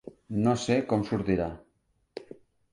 No sé com sortirà.